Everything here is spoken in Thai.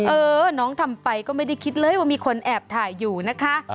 เออน้องทำไปก็ไม่ได้คิดเลยว่ามีคนแอบถ่ายอยู่นะคะ